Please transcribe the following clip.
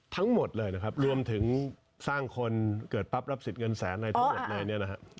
ทั้งหมดเลยนะครับรวมถึงสร้างคนเกิดปั๊บรับสิทธิ์เงินแสนอะไรทั้งหมดเลยเนี่ยนะฮะ